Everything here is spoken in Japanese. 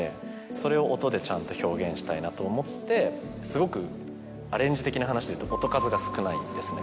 それを音でちゃんと表現したいなと思ってすごくアレンジ的な話でいうと音数が少ないんですね